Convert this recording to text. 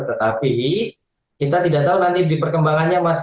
tetapi kita tidak tahu nanti di perkembangannya mas